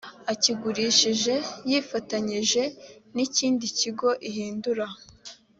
akigurishije yifatanyije n ikindi kigo ihindura